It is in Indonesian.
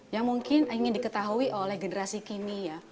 yang mungkin ingin diketahui oleh generasi kini ya